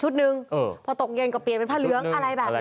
หนึ่งพอตกเย็นก็เปลี่ยนเป็นผ้าเหลืองอะไรแบบนี้